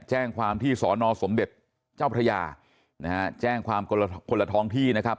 แจ้งความที่สอนอสมเด็จเจ้าพระยานะฮะแจ้งความคนละคนละท้องที่นะครับ